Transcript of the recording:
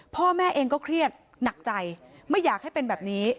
พ่อแม่เองก็เครียดหนักใจไม่อยากให้เป็นแบบนี้